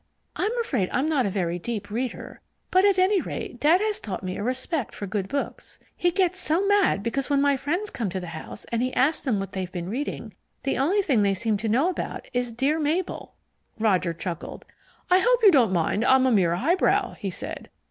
"I'm afraid I'm not a very deep reader, but at any rate Dad has taught me a respect for good books. He gets so mad because when my friends come to the house, and he asks them what they've been reading, the only thing they seem to know about is Dere Mable." Roger chuckled. "I hope you don't think I'm a mere highbrow," he said.